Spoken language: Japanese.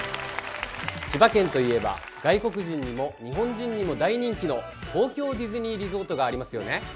千葉県といえば外国人にも日本人にも大人気の東京ディズニーリゾートがありますよね。